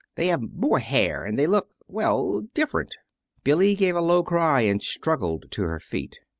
They have more hair, and they look well, different." Billy gave a low cry, and struggled to her feet.